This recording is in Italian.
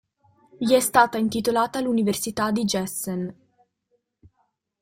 Gli è stata intitolata l'Università di Giessen.